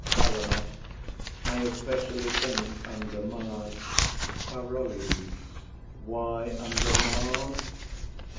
HELENA. I especially think, under Mars. PAROLLES. Why under Mars?